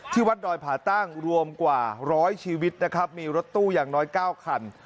วัดดอยผ่าตั้งรวมกว่าร้อยชีวิตนะครับมีรถตู้อย่างน้อย๙คัน